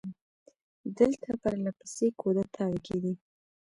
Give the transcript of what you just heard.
دلته پر له پسې کودتاوې کېدې.